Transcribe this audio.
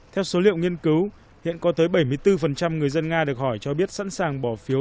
theo số liệu nghiên cứu hiện có tới bảy mươi bốn người dân nga được hỏi cho biết sẵn sàng bỏ phiếu